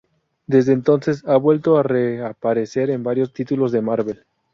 Desde entonces ha vuelto a reaparecer en varios títulos de Marvel.